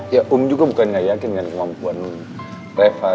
ya om juga bukan gak yakin dengan kemampuan refar